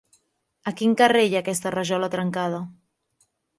A quin carrer hi ha aquesta rajola trencada?